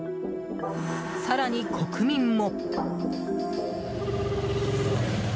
更に、国民も。